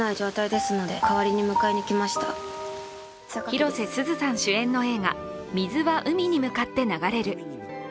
広瀬すずさん主演の映画「水は海に向かって流れる」。